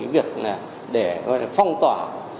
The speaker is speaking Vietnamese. việc để phong tỏa